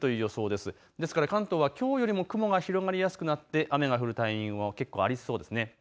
ですから関東はきょうよりも雲が広がりやすくなって雨の降るタイミングも結構ありそうです。